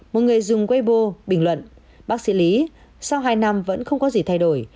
một người dùng weibo bình luận bác sĩ lý sau hai năm vẫn không có gì thay đổi